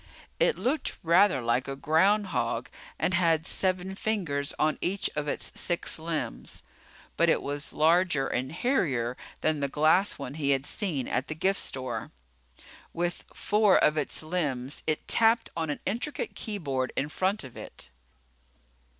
It looked rather like a groundhog and had seven fingers on each of its six limbs. But it was larger and hairier than the glass one he had seen at the gift store. With four of its limbs it tapped on an intricate keyboard in front of it.